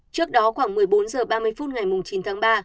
trước đó khoảng một mươi bốn h ba mươi phút ngày chín tháng ba